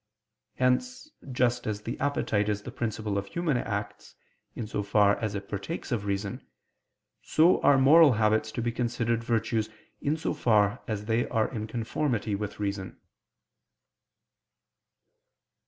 Hence just as the appetite is the principle of human acts, in so far as it partakes of reason, so are moral habits to be considered virtues in so far as they are in conformity with reason.